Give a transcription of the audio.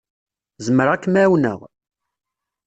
Zemreɣ ad kem-ɛawneɣ?